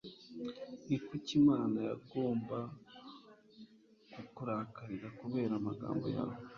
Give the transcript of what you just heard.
ni kuki imana yagomba kukurakarira kubera amagambo yawe,